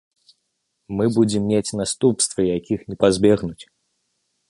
Мы будзем мець наступствы, якіх не пазбегнуць.